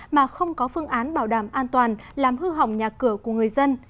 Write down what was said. mà không có phương án bảo đảm an toàn làm hư hỏng nhà cửa của người dân